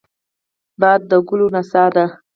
باد د ګلو نڅا ده